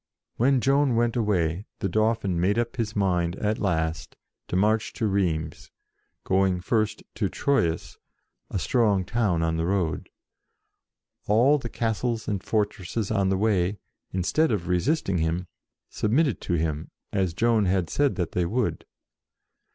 When Joan went away, the Dauphin made up his mind at last to march to Rheims, going first to Troyes, a strong town on the road. All the castles and fortresses on the way, instead of resisting him, submitted to him, as Joan had said that they would.